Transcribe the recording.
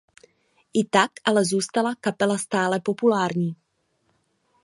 I tak ale zůstala kapela stále populární.